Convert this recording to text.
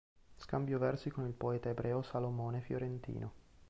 Scambiò versi con il poeta ebreo Salomone Fiorentino.